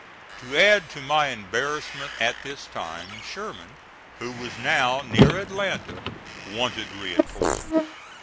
To add to my embarrassment at this time Sherman, who was now near Atlanta, wanted reinforcements.